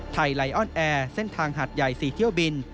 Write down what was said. ไลออนแอร์เส้นทางหัดใหญ่๔เที่ยวบิน